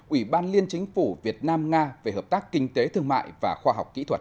ủy ban liên chính phủ việt nam nga về hợp tác kinh tế thương mại và khoa học kỹ thuật